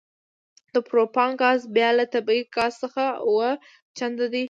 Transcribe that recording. د پروپان ګاز بیه له طبیعي ګاز څخه اوه چنده ده